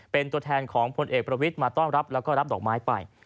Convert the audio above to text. เป็นตัวแทนของพลเอกประวิทย์มาต้อนรับแล้วก็รับดอกไม้ไป